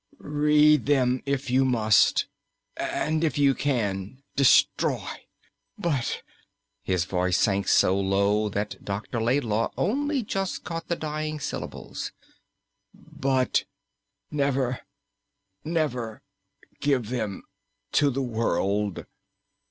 "Read them, if you must; and, if you can destroy. But" his voice sank so low that Dr. Laidlaw only just caught the dying syllables "but never, never give them to the world."